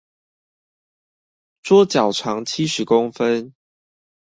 桌腳長七十公分